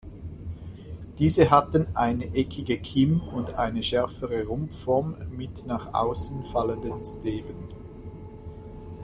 Diese hatten eine eckige Kimm und eine schärfere Rumpfform mit nach außen fallenden Steven.